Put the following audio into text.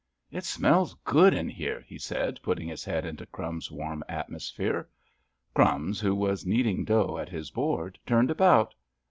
"It smells good in here," he said, putting his head into "Crumbs's" warm atmosphere. "Crumbs," who was kneading dough at his board, turned about.